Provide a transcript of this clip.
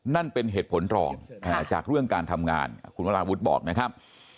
นั่นเป็นเหตุผลรองจากเรื่องการทำงานคุณวราวุฒิบอกนะครับ